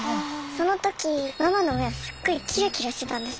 そのときママの目はすっごいキラキラしてたんですよ。